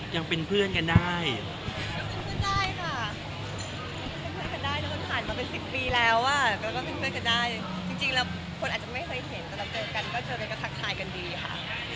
แล้วก็เป็นเพื่อนกันได้จริงแล้วคนอาจจะไม่เคยเห็นแต่เราก็เจอกันก็เจอกันกันทักทายกันดีค่ะ